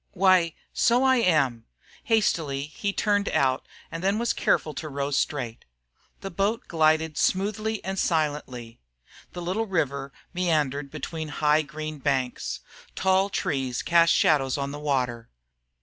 "Why so I am." Hastily he turned out and then was careful to row straight. The boat glided smoothly and silently. The little river meandered between high green banks. Tall trees cast shadows on the water.